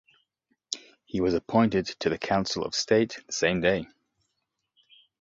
He was appointed to the Council of State the same day.